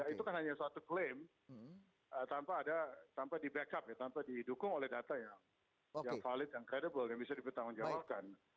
itu kan hanya suatu klaim tanpa di backup tanpa didukung oleh data yang valid yang credible yang bisa dipertanggungjawabkan